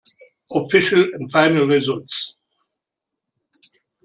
"Official and final results.